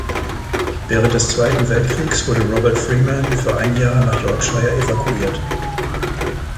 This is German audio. Während des Zweiten Weltkriegs wurde Robert Freeman für ein Jahr nach Yorkshire evakuiert.